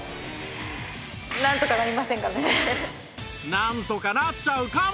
なんとかなっちゃうかも！？